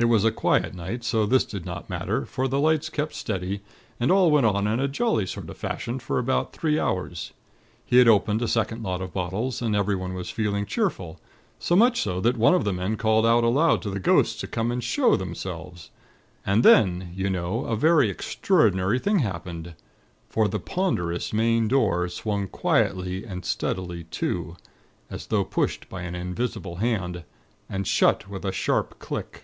It was a quiet night, so this did not matter, for the lights kept steady, and all went on in a jolly sort of fashion for about three hours. He had opened a second lot of bottles, and everyone was feeling cheerful; so much so that one of the men called out aloud to the ghosts to come out and show themselves. And then, you know a very extraordinary thing happened; for the ponderous main door swung quietly and steadily to, as though pushed by an invisible hand, and shut with a sharp click.